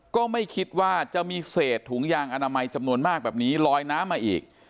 ก็ไม่คิดว่าจะมีเศษถุงยางอนามัยจำนวนมากแบบนี้ลอยน้ำมาอีก